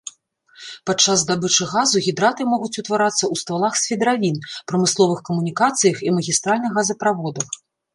Падчас здабычы газу гідраты могуць утварацца ў ствалах свідравін, прамысловых камунікацыях і магістральных газаправодах.